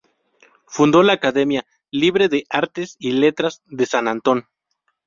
Fundó la Academia Libre de Artes y Letras de San Antón.